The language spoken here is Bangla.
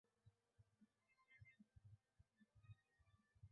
হাসি চমকিয়া জাগিয়া তাতাকে বুকে চাপিয়া কহিল, কেন উঠব না ধন!